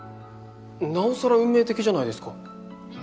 なおさら運命的じゃないですか。